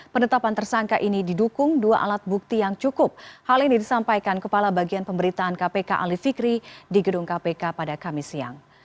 penetapan tersangka ini didukung dua alat bukti yang cukup hal ini disampaikan kepala bagian pemberitaan kpk ali fikri di gedung kpk pada kamis siang